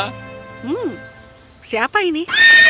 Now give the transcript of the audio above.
hmm siapa ini